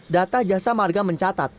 data jasa marga mencatat